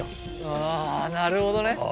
あなるほどね。あ。